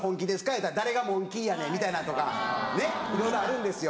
言うたら「誰がモンキーやねん」みたいなのとか。いろいろあるんですよ